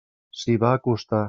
S'hi va acostar.